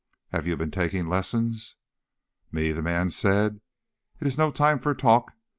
"Have you been taking lessons?" "Me?" the man said. "It is no time for talk.